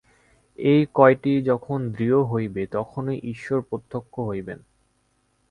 এই কয়টি যখন দৃঢ় হইবে, তখনই ঈশ্বর প্রত্যক্ষ হইবেন।